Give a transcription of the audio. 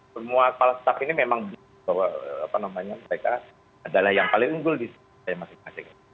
semua kepala staf ini memang bahwa apa namanya mereka adalah yang paling unggul di masing masing